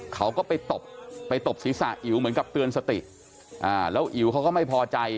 เขาก็ไปตบไปตบศีรษะอิ๋วเหมือนกับเตือนสติแล้วอิ๋วเขาก็ไม่พอใจ